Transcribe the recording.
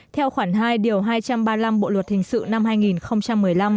theo khoản hai điều hai trăm ba mươi năm bộ luật hình sự năm hai nghìn một mươi năm